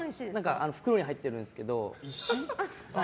袋に入ってるんですけど。